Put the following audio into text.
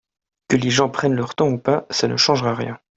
Que les gens prennent leur temps ou pas ça ne changera rien.